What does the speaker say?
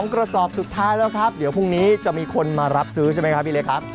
กระสอบสุดท้ายแล้วครับเดี๋ยวพรุ่งนี้จะมีคนมารับซื้อใช่ไหมครับพี่เล็กครับ